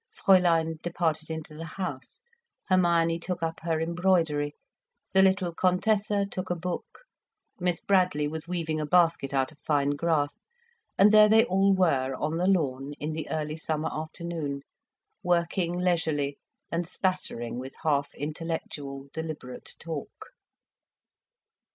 Fräulein departed into the house, Hermione took up her embroidery, the little Contessa took a book, Miss Bradley was weaving a basket out of fine grass, and there they all were on the lawn in the early summer afternoon, working leisurely and spattering with half intellectual, deliberate talk.